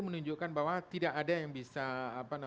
menunjukkan bahwa tidak ada yang bisa